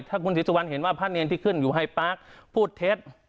ถ้าคุณศรีสุวรรณเห็นว่าพระเนรที่ขึ้นอยู่ไฮปาร์คพูดเท็จ